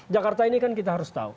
jakarta ini kan kita harus tahu